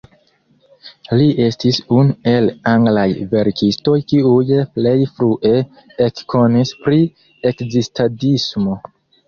Li estis unu el anglaj verkistoj kiuj plej frue ekkonis pri ekzistadismo.